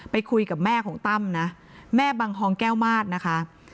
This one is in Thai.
ไปคุยกับแม่ของตั้มนะแม่บังฮองแก้วมาสนะคะ